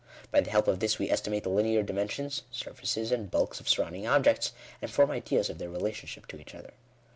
By the help of this we estimate the linear dimensions, surfaces, and bulks of sur rounding objects, and form ideas of their relationship to each other.